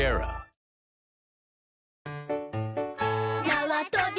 なわとび